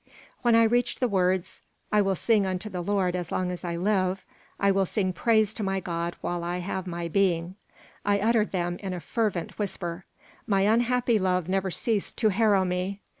When I reached the words, "I will sing unto the Lord as long as I live: I will sing praise to my God while I have my being," I uttered them in a fervent whisper My unhappy love never ceased to harrow me.